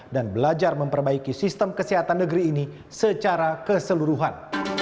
dan belajar memperbaiki sistem kesehatan negeri ini secara keseluruhan